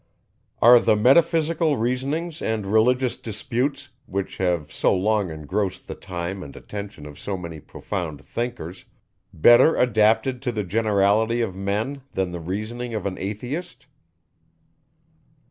Are the metaphysical reasonings and religious disputes, which have so long engrossed the time and attention of so many profound thinkers, better adapted to the generality of men than the reasoning of an Atheist?